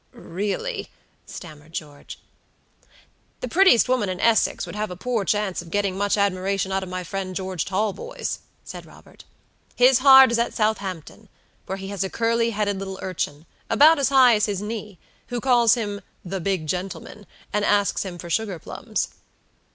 "Really" stammered George. "The prettiest woman in Essex would have a poor chance of getting much admiration out of my friend, George Talboys," said Robert. "His heart is at Southampton, where he has a curly headed little urchin, about as high as his knee, who calls him 'the big gentleman,' and asks him for sugar plums."